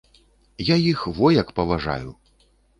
Я іх во як паважаю!